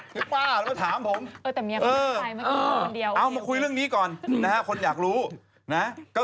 ขณะตอนอยู่ในสารนั้นไม่ได้พูดคุยกับครูปรีชาเลย